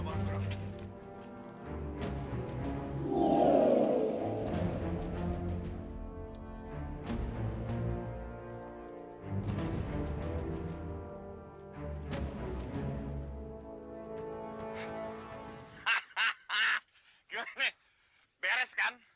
ganeh beres kan